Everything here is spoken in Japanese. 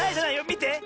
みて。